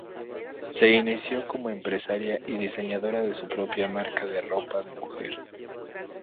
Se inició como empresaria y diseñadora de su propia marca de ropa de mujer.